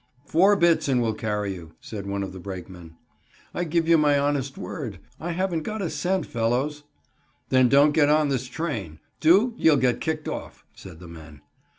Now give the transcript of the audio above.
"Four bits, and we'll carry you," said one of the brakemen. "I give you my honest word, I haven't got a cent, fellows." "Then don't get on this train. Do, you'll get kicked off," said the men.